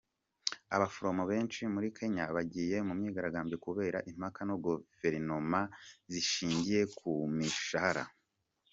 Abaforomo benshi muri Kenya bagiye mu myigaragambyo kubera impaka na guverinoima zishingiye ku mishahara,.